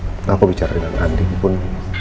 bahkan terakhir aku bicara dengan andi pun